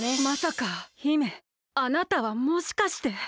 まさか姫あなたはもしかして。